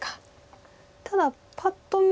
ただパッと見